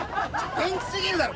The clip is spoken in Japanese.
元気すぎるだろ。